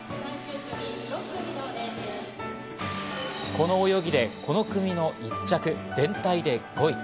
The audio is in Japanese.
この泳ぎでこの組の１着、全体で５位。